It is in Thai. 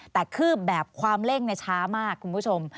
แต่คืบแบบความเร่งช้ามากคุณผู้ชม